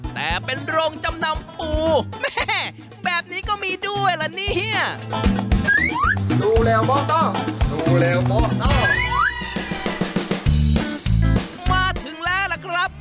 แต่เป็นโรงจำนำปูแม่แบบนี้ก็มีด้วยล่ะเนี่ยดูแล้วโมเดลมาถึงแล้วล่ะครับ